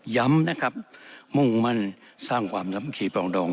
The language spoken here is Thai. ย้ำนะครับมุ่งมั่นสร้างความสามัคคีปรองดอง